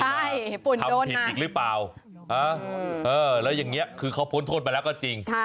ใช่ทำผิดอีกหรือเปล่าแล้วอย่างนี้คือเขาพ้นโทษมาแล้วก็จริง